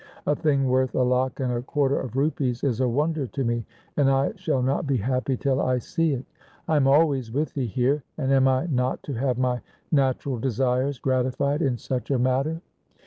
A thing worth a lakh and a quarter of rupees is a wonder to me, and I shall not be happy till I see it. I am always with thee here, and am I not to have my natural desires gratified in such a matter